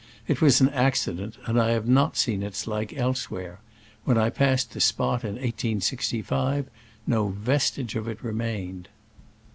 It was an accident, and I have not seen its like elsewhere. When I passed die spot in 1865 no vestige of it remained.